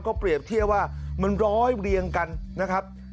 เปรียบเทียบว่ามันร้อยเรียงกันนะครับ